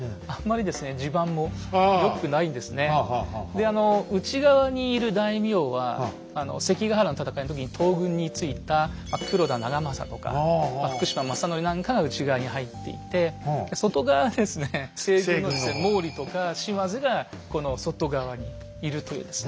であの内側にいる大名は関ヶ原の戦いの時に東軍についた黒田長政とか福島正則なんかが内側に入っていて外側はですね西軍の毛利とか島津がこの外側にいるというですね。